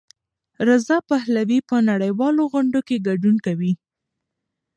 رضا پهلوي په نړیوالو غونډو کې ګډون کوي.